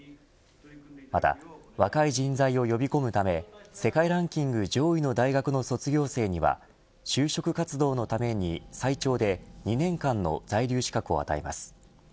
また、若い人材を呼び込むため世界ランキング上位の大学の卒業生には就職活動のために最長で２年間の在留資格を与えます。